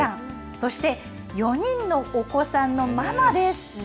そして４人のお子さんのママです。